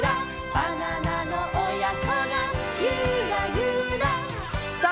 「バナナのおやこがユラユラ」さあ